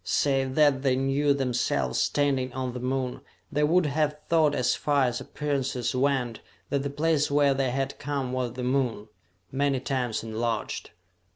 Save that they knew themselves standing on the Moon, they would have thought as far as appearances went, that the place where they had come was the Moon, many times enlarged.